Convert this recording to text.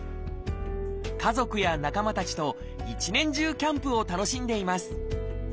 家族や仲間たちと一年中キャンプを楽しんでいます。